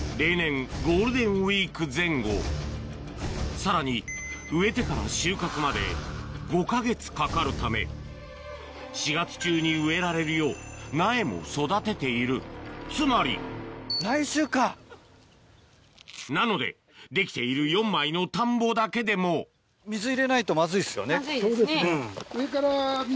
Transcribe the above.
さらに植えてから収穫まで５か月かかるため４月中に植えられるよう苗も育てているつまりなのでできている４枚の田んぼだけでもまずいですね。